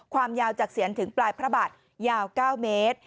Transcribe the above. ความยาวจากเสียนถึงปลายพระบัตรยาว๙เมตร